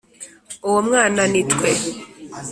uwo mwana ni twe,